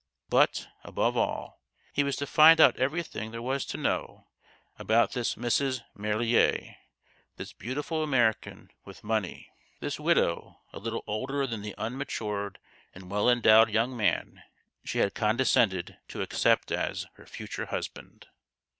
But, above all, he was to find out everything there was to know about this Mrs. Marillier this beautiful American with money this widow, a little older than the unmatured and well endowed young man she had condescended to accept as i66 THE GHOST OF THE PAST. her future husband.